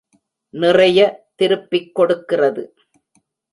நிறைய திருப்பிக் கொடுக்கிறது.